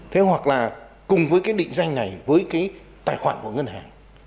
thế hoặc là cùng với cái định danh này với cái tài khoản của ngân hàng